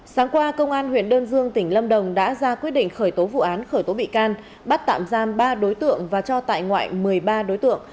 sáng qua công an huyện đơn dương tỉnh lâm đồng đã ra quyết định khởi tố vụ án khởi tố bị can bắt tạm giam ba đối tượng và cho tại ngoại một mươi ba đối tượng